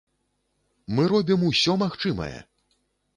Мы робім усё магчымае!